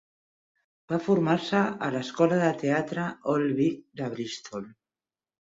Va formar-se a l'escola del teatre Old Vic de Bristol.